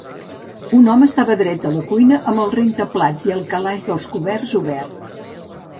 Un home estava dret a la cuina amb el rentaplats i el calaix dels coberts obert.